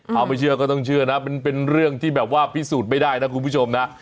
เอาไม่เชื่อก็ต้องเชื่อนะมันเป็นเรื่องที่แบบว่าพิสูจน์ไม่ได้นะคุณผู้ชมนะ